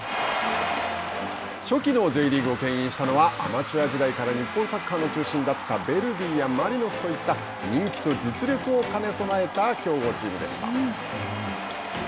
初期のＪリーグをけん引したのはアマチュア時代から日本サッカーの中心だったヴェルディやマリノスといった人気と実力を兼ね備えた強豪チームでした。